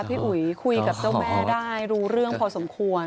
พี่อุ๋ยคุยกับเจ้าแม่ได้รู้เรื่องพอสมควร